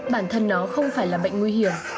bản thân nó không phải là bệnh nguy hiểm